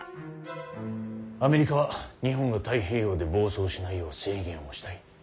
アメリカは日本が太平洋で暴走しないよう制限をしたい。